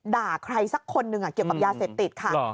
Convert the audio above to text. ด่าใครสักคนหนึ่งเกี่ยวกับยาเสพติดค่ะ